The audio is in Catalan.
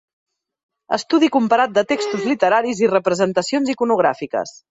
Estudi comparat de textos literaris i representacions iconogràfiques.